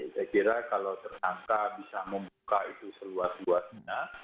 saya kira kalau tersangka bisa membuka itu seluas luasnya